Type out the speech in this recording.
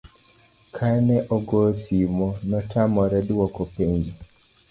kane ogoye simo, notamore dwoko penjo